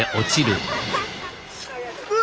うわ！